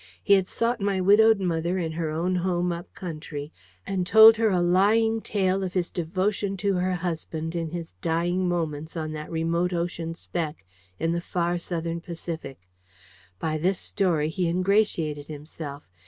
He had sought my widowed mother in her own home up country, and told her a lying tale of his devotion to her husband in his dying moments on that remote ocean speck in the far Southern Pacific. By this story he ingratiated himself.